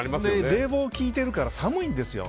冷房きいてるから寒いんですよ。